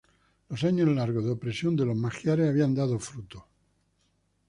Los años largos de "opresión" de los magiares habían "dado fruto".